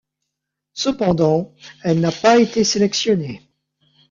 Cependant, elle n'a pas été sélectionnée.